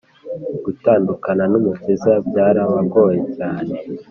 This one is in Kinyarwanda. gutandukana n’umukiza byarabagoye cyane